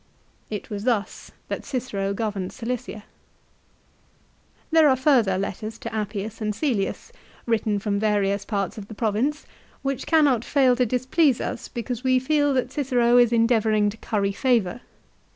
It was thus that Cicero governed Cilicia. There are further letters to Appius and Cselius, written from various parts of the Province, which cannot fail to displease us because we feel that Cicero is endeavouring to curry favour.